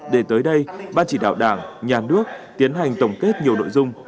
để tới đây ban chỉ đạo đảng nhà nước tiến hành tổng kết nhiều nội dung